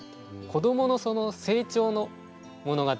子どものその成長の物語